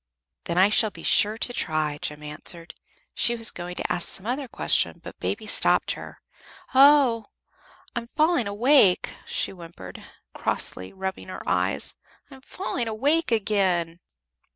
"Then I shall be sure to try," Jem answered. She was going to ask some other question, but Baby stopped her. "Oh! I'm falling awake," she whimpered, crossly, rubbing her eyes. "I'm falling awake again."